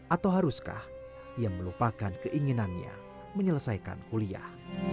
atau haruskah ia melupakan keinginannya menyelesaikan kuliah